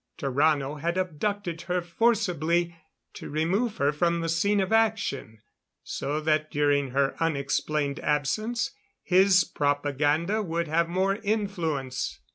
Tarrano had abducted her, forcibly to remove her from the scene of action, so that during her unexplained absence his propaganda would have more influence.